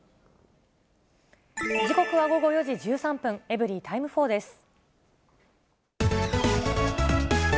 時刻は午後４時１３分、エブリィタイム４です。